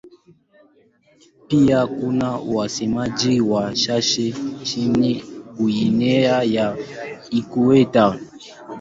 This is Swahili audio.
Pia kuna wasemaji wachache nchini Guinea ya Ikweta.